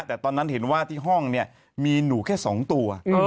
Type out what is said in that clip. แต่ตอนนั้นเห็นว่าที่ห้องเนี่ยมีหนูแค่๒ตัว